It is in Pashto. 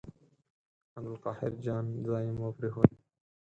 عبدالقاهر جان ځای مو پرېښود.